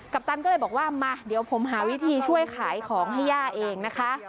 ปตันก็เลยบอกว่ามาเดี๋ยวผมหาวิธีช่วยขายของให้ย่าเองนะคะ